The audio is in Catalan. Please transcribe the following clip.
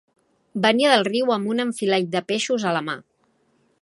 Venia del riu amb un enfilall de peixos a la mà.